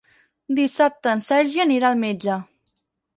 Dissabte en Sergi anirà al metge.